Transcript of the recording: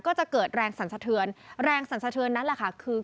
ก็จะเกิดแรงสรรสเทือนแรงสรรสเทือนนั่นคือ